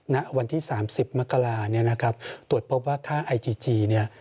ณวันที่๓๐มกราเนี่ยนะครับตรวจพบว่าค่าไอจีจีเนี่ย